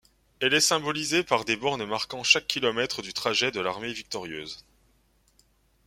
Elle est symbolisée par des bornes marquant chaque kilomètre du trajet de l'armée victorieuse.